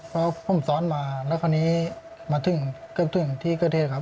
เพราะผมซ้อนมาแล้วคราวนี้มาทึ่งที่เก้าเทศครับ